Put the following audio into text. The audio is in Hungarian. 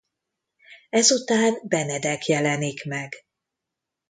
Ezután Benedek jelenik meg.